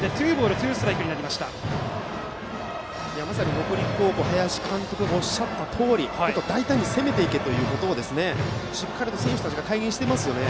北陸高校の林監督がおっしゃったとおり大胆に攻めていけということをしっかりと選手たちが体現していますね。